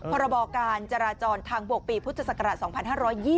พรบการจราจรทางบวกปีพุทธศักราช๒๕๒๒